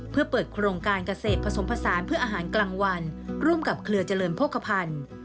เพื่อเปิดโครงการเกษตรผสมผสานเพื่ออาหารกลางวันร่วมกับเครือเจริญโภคภัณฑ์